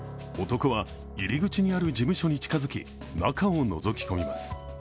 男は入り口にある事務所に近づき中をのぞき込みます。